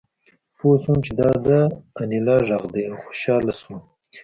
پوه شوم چې دا د انیلا غږ دی او خوشحاله شوم